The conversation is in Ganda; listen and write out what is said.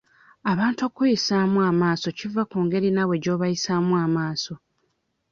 Abantu okkuyisaamu amaaso kiva ku ngeri naawe gy'obayisaamu amaaso.